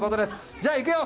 じゃあ、いくよ！